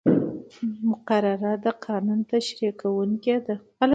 مقرره د قانون تشریح کوونکې ده.